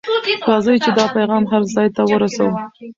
راځئ چې دا پیغام هر ځای ته ورسوو.